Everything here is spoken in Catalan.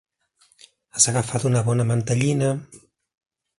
Has agafat una bona mantellina!